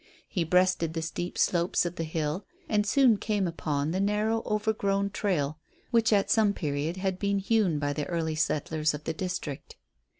He breasted the steep slopes of the hill and soon came upon the narrow overgrown trail which at some period had been hewn by the early settlers of the district.